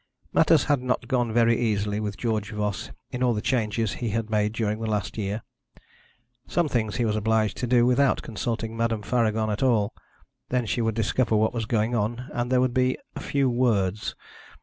Matters had not gone very easily with George Voss in all the changes he had made during the last year. Some things he was obliged to do without consulting Madame Faragon at all. Then she would discover what was going on, and there would be a 'few words.'